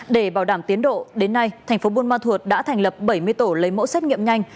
để bảo đảm tiến độ đến nay thành phố buôn ma thuột đã thành lập bảy mươi tổ lấy mẫu xét nghiệm nhanh